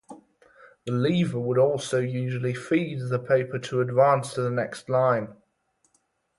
The lever would also usually "feed" the paper to advance to the next line.